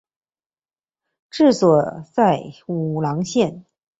治所在武郎县。